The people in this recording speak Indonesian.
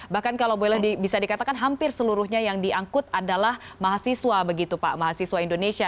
bahkan kalau boleh bisa dikatakan hampir seluruhnya yang diangkut adalah mahasiswa indonesia